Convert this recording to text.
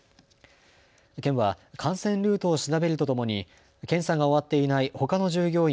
県は感染ルートを調べるとともに検査が終わっていないほかの従業員